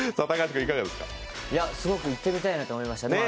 すごく行ってみたいなと思いましたね。